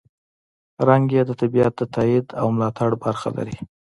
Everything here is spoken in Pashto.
رنګ یې د طبیعت د تاييد او ملاتړ برخه لري.